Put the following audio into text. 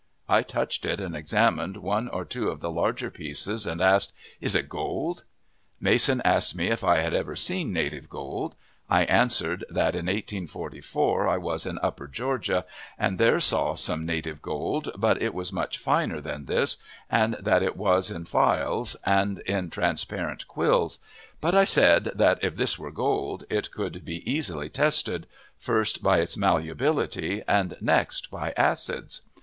I touched it and examined one or two of the larger pieces, and asked, "Is it gold?" Mason asked me if I had ever seen native gold. I answered that, in 1844, I was in Upper Georgia, and there saw some native gold, but it was much finer than this, and that it was in phials, or in transparent quills; but I said that, if this were gold, it could be easily tested, first, by its malleability, and next by acids.